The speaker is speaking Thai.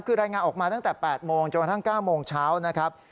คือรายงานออกมาตั้งแต่๘โมงจนกระทั่ง๙โมงเช้านะครับ